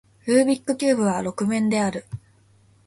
ルービックキューブは六面である